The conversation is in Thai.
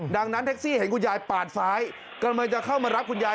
ดังนั้นแท็กซี่เห็นคุณยายปาดซ้ายกำลังจะเข้ามารับคุณยาย